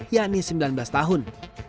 yakni sembilan belas tahun